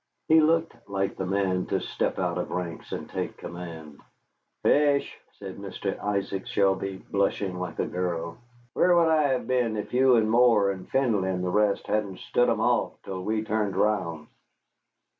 He looked like the man to step out of ranks and take command. "Pish!" said Mr. Isaac Shelby, blushing like a girl; "where would I have been if you and Moore and Findley and the rest hadn't stood 'em off till we turned round?"